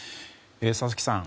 佐々木さん